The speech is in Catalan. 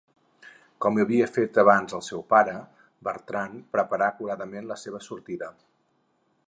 Com havia fet abans el seu pare, Bertran preparà acuradament la seva sortida.